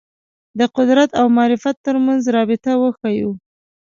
د قدرت او معرفت تر منځ رابطه وښييو